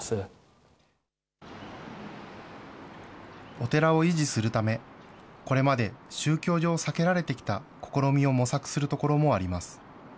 お寺を維持するため、これまで宗教上避けられてきた試みを模索する所もあります。